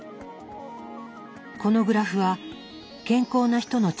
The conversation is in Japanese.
このグラフは健康な人の腸内細菌。